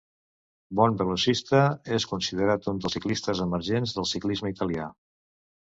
Bon velocista, és considerant un dels ciclistes emergents del ciclisme italià.